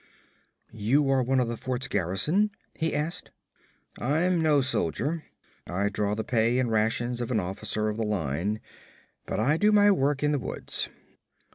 'You are one of the fort's garrison?' he asked. 'I'm no soldier. I draw the pay and rations of an officer of the line, but I do my work in the woods.